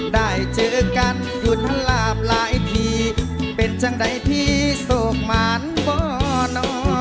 ได้เจอกันหุ่นหลาบหลายทีเป็นจังใดพี่โศกมานบ่อนอ